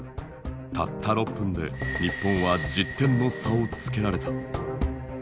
たった６分で日本は１０点の差をつけられた。